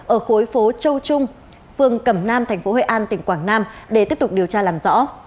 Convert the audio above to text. ở khối phố châu trung phường cẩm nam tp hội an tỉnh quảng nam để tiếp tục điều tra làm rõ